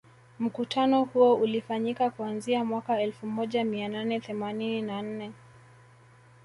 Mkutano huo ulifanyika kuanzia mwaka elfu moja mia nane themanini na nne